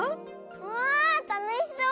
わあたのしそう！